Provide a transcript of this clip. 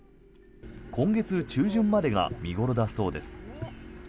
今月中旬までが見頃だそうです。